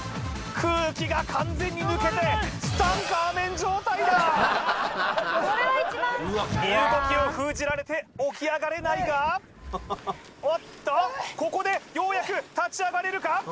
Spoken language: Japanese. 空気が完全に抜けて身動きを封じられて起き上がれないがおっとここでようやく立ち上がれるか？